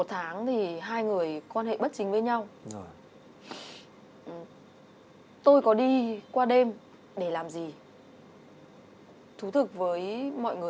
dẫn đến chúng tôi phải li hôn